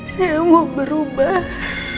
saya mau berubah